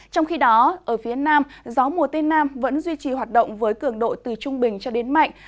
trong khi đó ở phía nam gió mùa tây nam vẫn duy trì hoạt động với cường độ từ trung bình cho đến mạnh